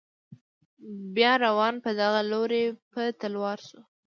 بیا روان په دغه لوري په تلوار شو.